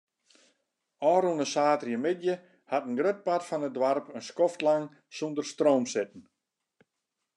Ofrûne saterdeitemiddei hat in grut part fan it doarp in skoftlang sonder stroom sitten.